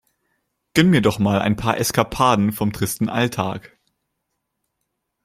Gönn mir doch mal ein paar Eskapaden vom tristen Alltag!